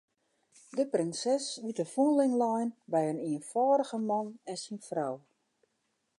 De prinses wie te fûnling lein by in ienfâldige man en syn frou.